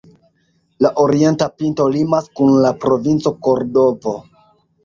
La orienta pinto limas kun la Provinco Kordovo.